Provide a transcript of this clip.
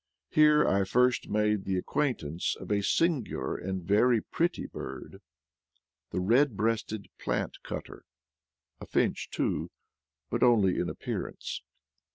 Here I first made the acquaintance of a singular and very pretty bird — the red breasted plant cutter, a finch too, but only in appearance.